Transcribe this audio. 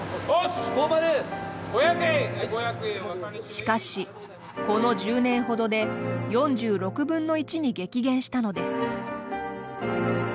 しかしこの１０年ほどで４６分の１に激減したのです。